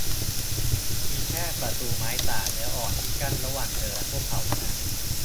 มีแค่ประตูไม้สานเนื้ออ่อนที่กั้นระหว่างเธอและพวกเขาเท่านั้น